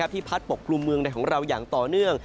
ที่พัดปกกลุ่มเมืองในของเราอย่างต่อเนื่อง